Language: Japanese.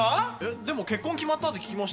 でも結婚決まったって聞きましたよ。